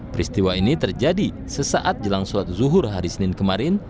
peristiwa ini terjadi sesaat jelang sholat zuhur hari senin kemarin